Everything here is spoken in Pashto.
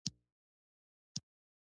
بوتل باید د نورو کثافاتو سره ګډ نه شي.